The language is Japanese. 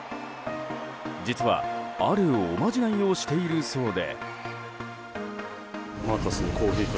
実は、あるおまじないをしているそうで。